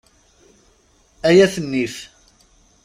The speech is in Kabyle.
Ay at nnif!